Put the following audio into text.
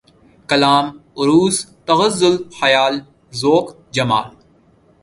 کلام ، عَرُوض ، تغزل ، خیال ، ذوق ، جمال